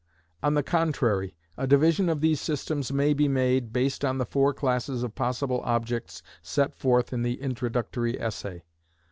On the contrary, a division of these systems may be made, based on the four classes of possible objects set forth in the introductory essay.